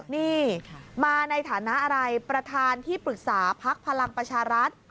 นี่มาในฐานะอะไรประธานที่ปรึกษาพักพลังประชารัฐ